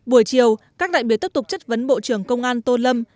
buổi chiều các đại biểu tấp tục chất vấn bộ trưởng công an tôn lâm